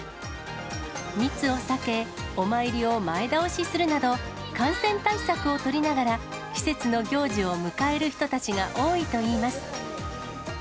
密を避け、お参りを前倒しするなど、感染対策を取りながら、季節の行事を迎える人たちが多いといいます。